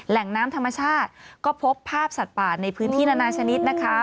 แหล่งน้ำธรรมชาติก็พบภาพสัตว์ป่าในพื้นที่นานาชนิดนะคะ